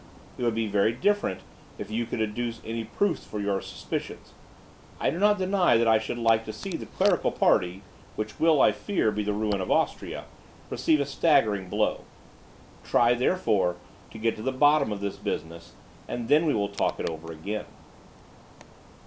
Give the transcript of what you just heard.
It would be very different if you could adduce any proofs for your suspicions. I do not deny that I should like to see the clerical party, which will, I fear, be the ruin of Austria, receive a staggering blow; try, therefore, to get to the bottom of this business, and then we will talk it over again."